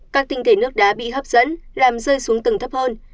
các tinh thể nước đá bị hấp dẫn làm rơi xuống tầng thấp hơn